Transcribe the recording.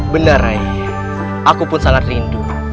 benar rai aku pun sangat rindu